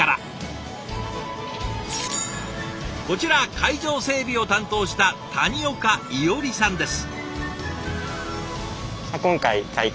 こちら会場整備を担当した谷岡伊織さんです。